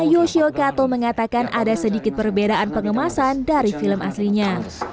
yoshio kato mengatakan ada sedikit perbedaan pengemasan dari film aslinya